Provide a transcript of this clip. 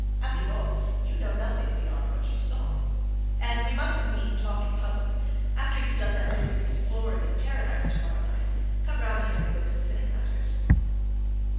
after all, you know nothing beyond what you saw. And we mustn't meet and talk in public after you've done that bit of exploring in Paradise tomorrow night, come round here and we'll consider matters."